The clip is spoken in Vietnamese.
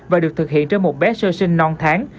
và được thực hiện trên một bé sơ sinh non tháng